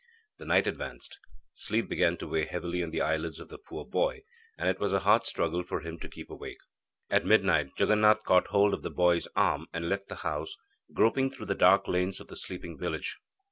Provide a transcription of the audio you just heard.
The night advanced. Sleep began to weigh heavily on the eyelids of the poor boy, and it was a hard struggle for him to keep awake. At midnight, Jaganath caught hold of the boy's arm, and left the house, groping through the dark lanes of the sleeping village.